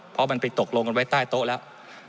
เพราะมันไปตกลงกันไว้ใต้โต๊ะแล้ว